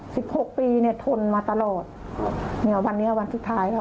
สิบหกปีเนี้ยทนมาตลอดเนี้ยวันนี้วันสุดท้ายค่ะ